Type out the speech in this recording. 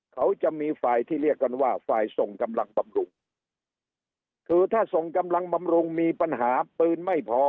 เขาจะมีฝ่ายที่เรียกกันว่าฝ่ายส่งกำลังบำรุงคือถ้าส่งกำลังบำรุงมีปัญหาปืนไม่พอ